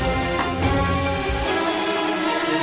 tidak ada yang bisa dihukum